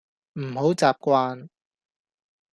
唔好習慣